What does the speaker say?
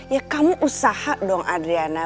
ya kamu usaha dong adriana